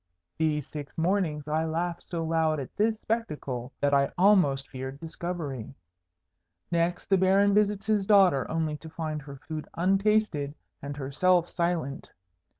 These six mornings I laughed so loud at this spectacle, that I almost feared discovery. Next, the Baron visits his daughter, only to find her food untasted and herself silent.